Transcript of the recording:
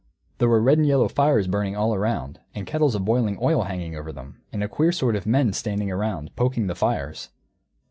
There were red and yellow fires burning all around, and kettles of boiling oil hanging over them, and a queer sort of men standing round, poking the fires.